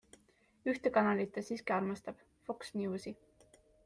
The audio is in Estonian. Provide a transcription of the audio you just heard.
Ühte kanalit ta siiski armastab - Fox Newsi.